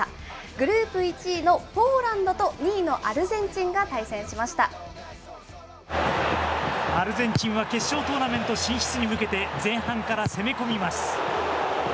グループ１位のポーランドと、２アルゼンチンは決勝トーナメント進出に向けて、前半から攻め込みます。